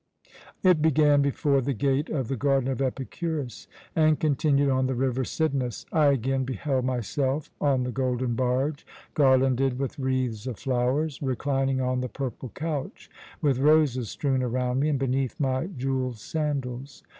"It began before the gate of the garden of Epicurus, and continued on the river Cydnus. I again beheld myself on the golden barge, garlanded with wreaths of flowers, reclining on the purple couch with roses strewn around me and beneath my jewelled sandals.